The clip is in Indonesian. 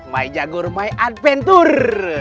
main jagur main adventure